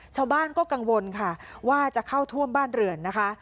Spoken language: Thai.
ชาวบ้านก็กังวลค่ะว่าจะเข้าท่วมบ้านเรือนนะคะ